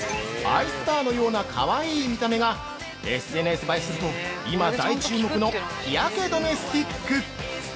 ◆アイスバーのようなかわいい見た目がＳＮＳ映えすると今大注目の日焼け止めスティック。